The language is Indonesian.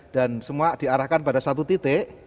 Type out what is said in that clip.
dan semua diarahkan pada satu titik